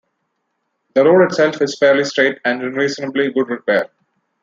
The road itself is fairly straight and in reasonably good repair.